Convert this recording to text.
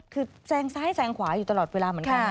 คือแซงซ้ายแซงขวาอยู่ตลอดเวลาเหมือนกัน